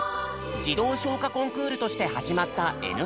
児童唱歌コンクールとして始まった「Ｎコン」。